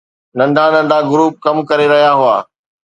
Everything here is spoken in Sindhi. ننڍا ننڍا گروپ ڪم ڪري رهيا هئا